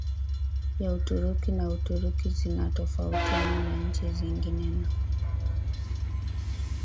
ya Uturuki na Uturuki zinatofautiana na nchi zingine na